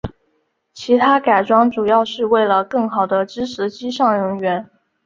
其它改装主要是为了更好地支持机上人员。